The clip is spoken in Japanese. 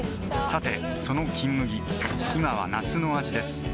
さてその「金麦」今は夏の味です